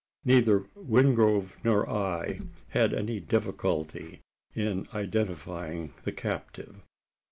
Neither Wingrove nor I had any difficulty in identifying the captive.